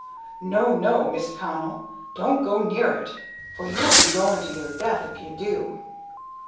"No, no, Mist Connell! Don't go near it, for you'll be going to your death if you do."